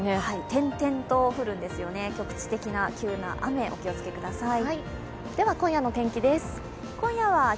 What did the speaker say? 点々と降るんですよね、局地的な急な雨、お気をつけください。